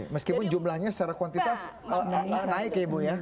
meskipun jumlahnya secara kuantitas naik ya bu ya